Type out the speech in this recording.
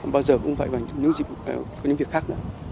bao giờ cũng phải vào những dịp khác